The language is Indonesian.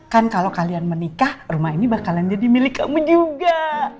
kan kalau kalian menikah rumah ini bakalan jadi milik kamu juga